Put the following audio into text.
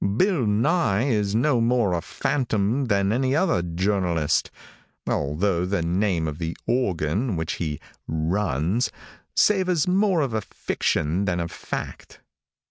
Bill Nye is no more a phantom than any other journalist, although the name of the organ which he 'runs' savors more of fiction than of fact.